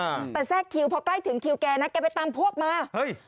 อ่าแต่แทรกคิวพอใกล้ถึงคิวแกนะแกไปตามพวกมาเฮ้ย